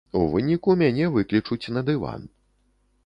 У выніку мяне выклічуць на дыван.